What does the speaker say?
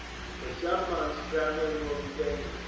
"For some few months travelling will be dangerous.